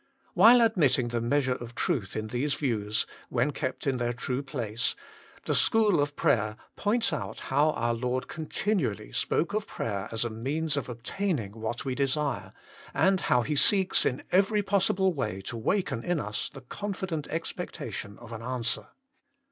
While admitting the measure of truth in these views, when kept in their true place, THE SCHOOL OF PRAYER points out how our Lord continually spoke of prayer as a means of obtaining what we desire, and how He seeks in every possible way to waken in us the confident expectation of an answer.